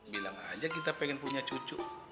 bilang aja kita pengen punya cucu